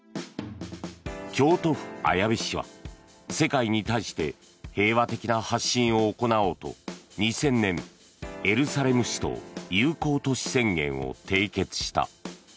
京都府綾部市は、世界に対して平和的な発信を行おうと２０００年、エルサレム市と友好都市宣言を締結した。